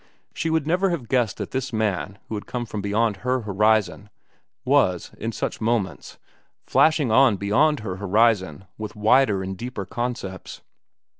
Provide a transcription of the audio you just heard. She would never have guessed that this man who had come from beyond her horizon, was, in such moments, flashing on beyond her horizon with wider and deeper concepts.